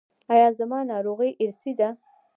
ایا زما ناروغي ارثي ده؟